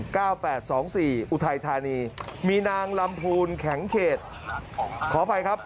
แปดสองสี่อุทัยธานีมีนางลำพูนแข็งเขตขออภัยครับ